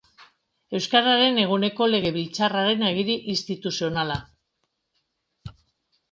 Euskararen eguneko legebiltzarraren agiri instituzionala.